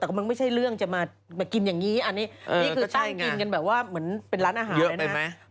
แต่ก็มันไม่ใช่เรื่องจะมากินอย่างนี้อันนี้นี่คือตั้งกินกันแบบว่าเหมือนเป็นร้านอาหารเยอะนะ